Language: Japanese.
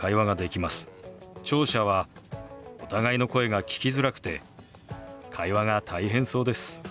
聴者はお互いの声が聞きづらくて会話が大変そうです。